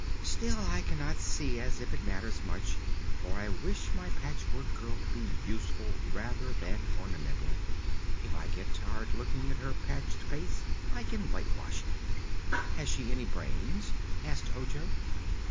"Still, I cannot see as it matters much, for I wish my Patchwork Girl to be useful rather than ornamental. If I get tired looking at her patched face I can whitewash it." "Has she any brains?" asked Ojo.